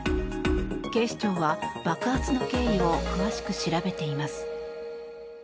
警視庁は爆発の経緯を詳しく調べています。